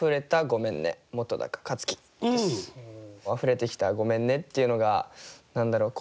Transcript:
溢れてきた「ごめんね」っていうのが何だろう